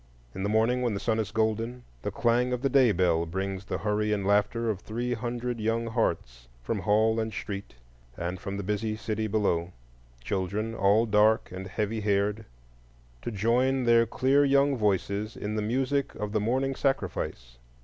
In the morning, when the sun is golden, the clang of the day bell brings the hurry and laughter of three hundred young hearts from hall and street, and from the busy city below,—children all dark and heavy haired,—to join their clear young voices in the music of the morning sacrifice.